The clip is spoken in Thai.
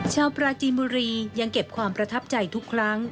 ชาวปราจีนบุรียังเก็บความประทับใจทุกครั้ง